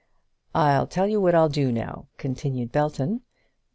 "I'll tell you what I'll do, now," continued Belton.